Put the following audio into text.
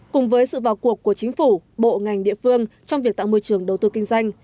cùng với sự vào cuộc của chính phủ bộ ngành địa phương trong việc tạo môi trường đầu tư kinh doanh